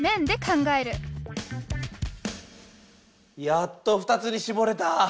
やっと２つにしぼれた！